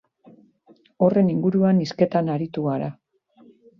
Horren inguruan hizketan aritu gara.